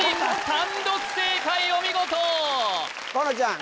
単独正解お見事河野ちゃん